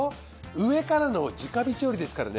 上からの直火調理ですからね。